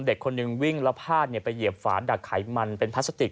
เด็กคนหนึ่งวิ่งแล้วพาดไปเหยียบฝานดักไขมันเป็นพลาสติก